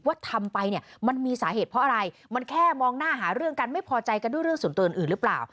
ทำไปเนี่ยมันมีสาเหตุเพราะอะไรมันแค่มองหน้าหาเรื่องกันไม่พอใจกันด้วยเรื่องส่วนตัวอื่นหรือเปล่า